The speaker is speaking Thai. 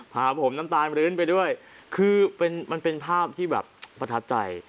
พาผมน้ำตาลรื้นไปด้วยคือมันเป็นภาพที่แบบประทับใจ